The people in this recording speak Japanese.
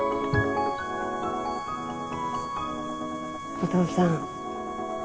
お父さん。